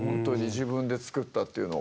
自分で作ったというのが。